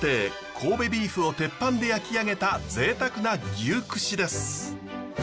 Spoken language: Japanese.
神戸ビーフを鉄板で焼き上げたぜいたくな牛串です。